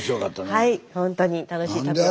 はい本当に楽しい旅で。